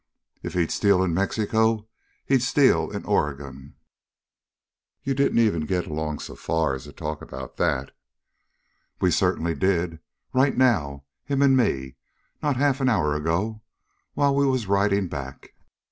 If he'd steal in Mexico he'd steal in Oregon." "You didn't ever get so far along as to talk about that!" "We certainly did right now, him and me, not half an hour ago, while we was riding back."